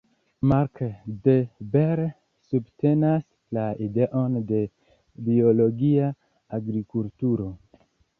Marc De Bel subtenas la ideon de biologia agrikulturo.